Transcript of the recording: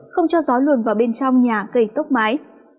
không cho gió luồn vào bên trong nhà gây tốc mái